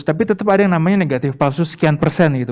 tapi tetap ada yang namanya negatif palsu sekian persen gitu